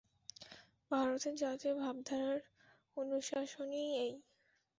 ভারতের জাতীয় ভাবধারার অনুশাসনই এই।